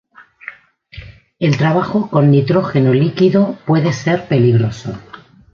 El trabajo con nitrógeno líquido puede ser peligroso.